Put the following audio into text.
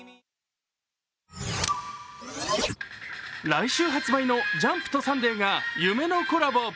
来週発売の「ジャンプ」と「サンデー」が夢のコラボ。